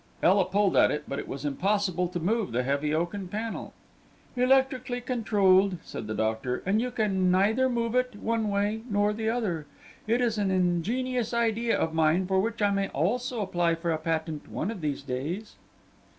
Ela pulled at it, but it was impossible to move the heavy oaken panel. "Electrically controlled," said the doctor; "and you can neither move it one way nor the other. It is an ingenious idea of mine, for which I may also apply for a patent one of these days."